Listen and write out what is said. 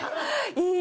いい！